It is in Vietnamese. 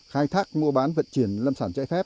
khai thác mua bán vận chuyển lâm sản trái phép